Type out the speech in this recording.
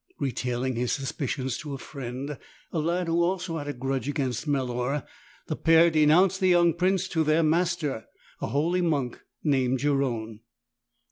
Retailing his suspicions to a friend, a lad who also had a grudge against Melor, the pair denounced the young prince to their master, a holy monk named Jerome.